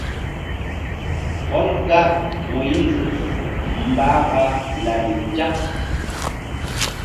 Ɓɔl gar Moyiz mbah ɓa lari nzak.